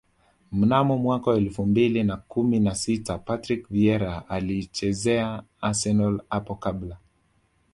Mnamo mwaka elfu mbili na kumi na sita Patrick Vieira aliyeichezea Arsenal hapo kabla